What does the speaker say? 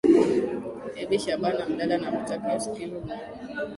ebi shaaban abdallah nakutakia usikivu mwema